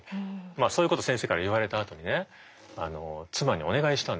そういうこと先生から言われたあとに妻にお願いしたんですよ。